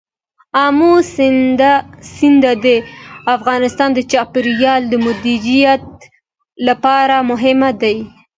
آمو سیند د افغانستان د چاپیریال د مدیریت لپاره مهم دي.